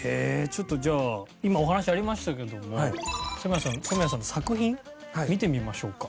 ちょっとじゃあ今お話ありましたけれども染谷さんの作品見てみましょうか。